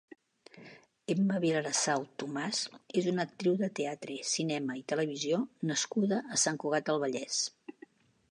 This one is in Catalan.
Emma Vilarasau Tomàs és una actriu de teatre, cinema i televisió nascuda a Sant Cugat del Vallès.